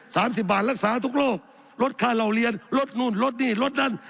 สามสิบบาทรักษาทุกโรคลดค่าเหล่าเรียนลดนู่นลดนี่ลดนั่น